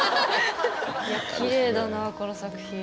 いやきれいだなあこの作品。